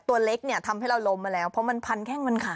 ตัวเล็กเนี่ยทำให้เราล้มมาแล้วเพราะมันพันแข้งพันขา